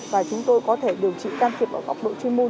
và chúng tôi có thể điều trị đăng thiệp vào góc độ chuyên môn